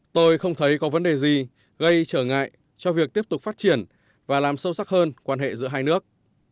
tôi không thấy có vấn đề gì gây trở ngại cho việc tiếp tục phát triển và làm sâu sắc hơn quan hệ giữa hai nước